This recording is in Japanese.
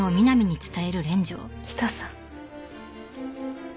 北さん。